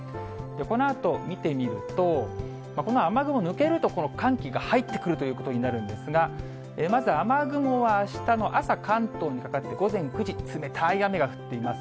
このあと見てみると、この雨雲、抜けるとこの寒気が入ってくるということになるんですが、まず、雨雲はあしたの朝、関東にかかって午前９時、冷たい雨が降っています。